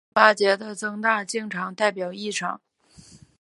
淋巴结的增大经常代表异常。